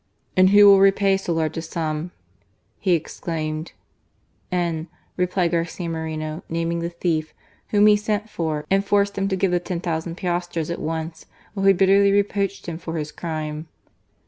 "And who will repay so large a sum?" he ex claimed. " N ," replied Garcia Moreno, naming the thief, whom he sent for and forced him to give the 10,000 piastres at once, while he bitterly reproached him for his crime.